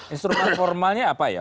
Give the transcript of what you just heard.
instrumen formalnya apa ya